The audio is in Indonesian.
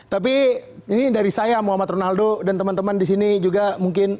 tapi ini dari saya muhammad ronaldo dan teman teman di sini juga mungkin